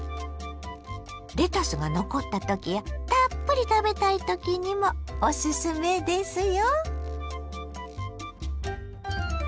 レタスが残ったときやたっぷり食べたいときにもおすすめですよ。